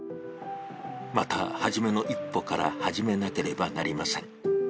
また始めの一歩から始めなければなりません。